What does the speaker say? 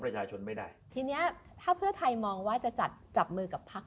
ประชาชนไม่ได้ทีเนี้ยถ้าเพื่อไทยมองว่าจะจัดจับมือกับพัก